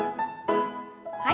はい。